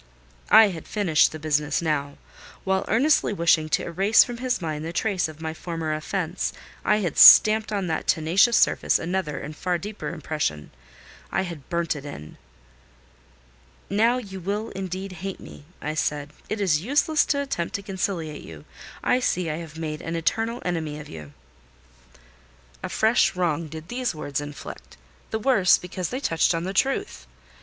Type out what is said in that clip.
I had finished the business now. While earnestly wishing to erase from his mind the trace of my former offence, I had stamped on that tenacious surface another and far deeper impression: I had burnt it in. "Now you will indeed hate me," I said. "It is useless to attempt to conciliate you: I see I have made an eternal enemy of you." A fresh wrong did these words inflict: the worse, because they touched on the truth.